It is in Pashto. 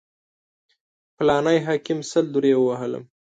فلاني حاکم سل درې ووهلم.